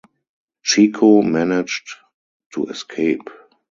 Chico managed to escape.